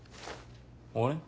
あれ？